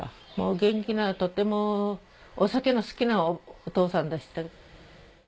元気なとてもお酒の好きなお父さんでした。